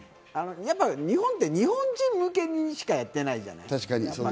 日本って日本人向けにしかやってないじゃない。